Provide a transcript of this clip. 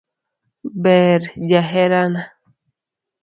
Ber jaherana.